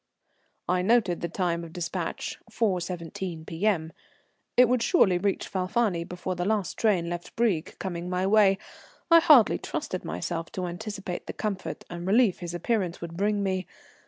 I noted the time of despatch, 4.17 P.M. It would surely reach Falfani before the last train left Brieg coming my way, and I hardly trusted myself to anticipate the comfort and relief his appearance would bring me.